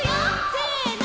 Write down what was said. せの！